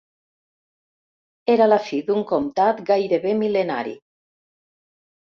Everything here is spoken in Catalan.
Era la fi d'un comtat gairebé mil·lenari.